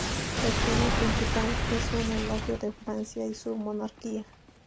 El tema principal es un elogio de Francia y su monarquía.